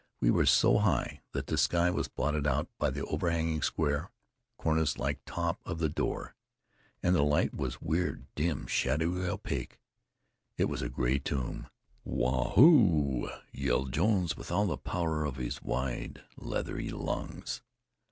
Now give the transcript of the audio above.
We were so high that the sky was blotted out by the overhanging square, cornice like top of the door; and the light was weird, dim, shadowy, opaque. It was a gray tomb. "Waa hoo!" yelled Jones with all the power of his wide, leather lungs.